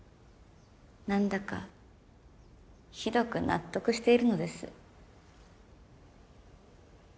何だかひどく納得しているのです。